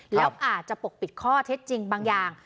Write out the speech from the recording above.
แล้วอาจจะปกปิดข้อเท็จจริงบางอย่าง